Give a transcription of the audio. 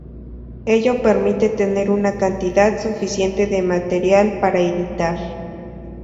Ello permite tener una cantidad suficiente de material para editar.